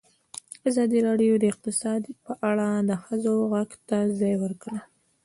ازادي راډیو د اقتصاد په اړه د ښځو غږ ته ځای ورکړی.